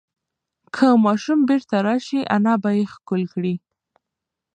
که ماشوم بیرته راشي، انا به یې ښکل کړي.